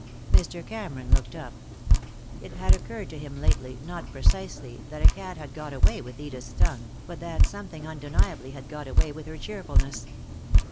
Mr. Cameron looked up. It had occurred to him lately, not precisely that a cat had got away with Edith's tongue, but that something undeniably had got away with her cheerfulness.